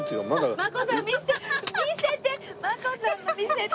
真子さん見せて！